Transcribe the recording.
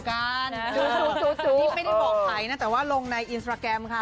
ไม่ได้บอกใครนะแต่ว่าลงในอินสตราแกรมค่ะ